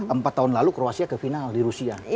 empat tahun lalu kroasia ke final di rusia